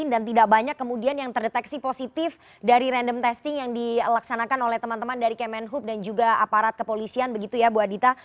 dan tidak banyak kemudian yang terdeteksi positif dari random testing yang dilaksanakan oleh teman teman dari kemenhub dan juga aparat kepolisian begitu ya bu adita